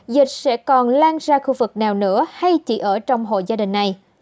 dịch sẽ còn lan ra khu vực nào nữa hay chỉ ở trong hộ gia đình này